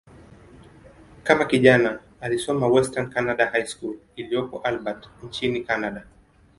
Kama kijana, alisoma "Western Canada High School" iliyopo Albert, nchini Kanada.